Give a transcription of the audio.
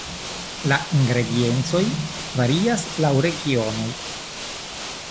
La ingrediencoj varias laŭ regionoj.